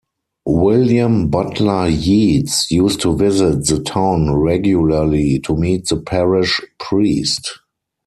William Butler Yeats used to visit the town regularly to meet the parish priest.